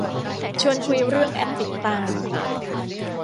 ชวนคุยเรื่องแอปติดตาม